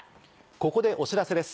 ここでお知らせです。